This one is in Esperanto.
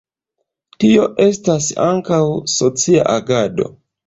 Tio estas ankaŭ socia agado.